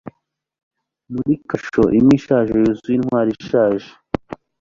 muri kasho imwe ishaje, yuzuye intwari ishaje